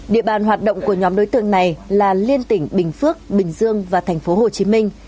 địa bàn hoạt động của nhóm đối tượng này là liên tỉnh bình phước bình dương và thành phố hồ chí minh